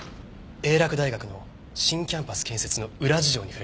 英洛大学の新キャンパス建設の裏事情に触れています。